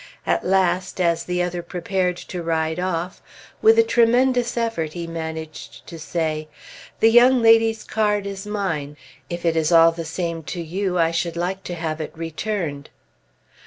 At last, as the other prepared to ride off, with a tremendous effort he managed to say, "The young lady's card is mine. If it is all the same to you, I should like to have it returned."